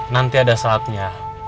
nanti ada saatnya